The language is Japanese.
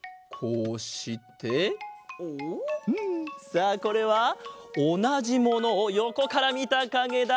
さあこれはおなじものをよこからみたかげだ。